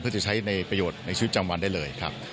เพื่อจะใช้ในประโยชน์ในชีวิตจำวันได้เลยครับ